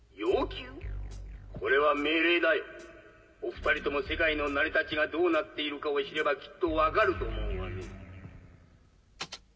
これは命令だよお２人とも世界の成り立ちがどうなっているかを知ればきっと分かると思うがね。